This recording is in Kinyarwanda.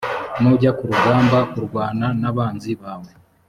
nujya ku rugamba kurwana n abanzi bawe